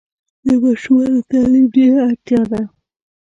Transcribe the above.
د ماشومانو تعلیم ډېره اړتیا ده.